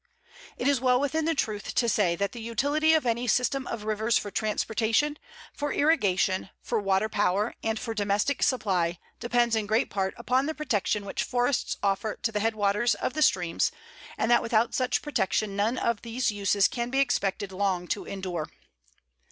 It is well within the truth to say that the utility of any system of rivers for transportation, for irrigation, for waterpower, and for domestic supply depends in great part upon the protection which forests offer to the headwaters of the streams, and that without such protection none of these uses can be expected long to endure.